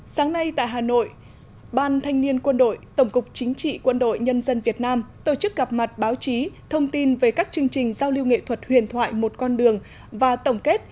sáng nay tại hà nội ban thanh niên quân đội tổng cục chính trị quân đội nhân dân việt nam tổ chức gặp mặt báo chí thông tin về các chương trình giao lưu nghệ thuật huyền thoại một con đường và tổng kết